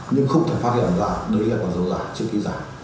nhưng không thể phát hiện ra nếu có dấu giả chữ ký giả